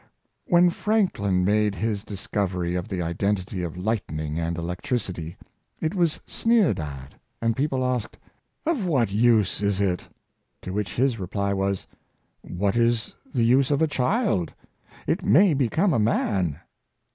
When Franklin made his discovery of the identity of lightning and electricity, it was sneered at, and peo 250 The Art of Seizing Opportunities. pie asked, '' O^ what use is it?" To which his reply was, " What is the use of a child? It may become a man!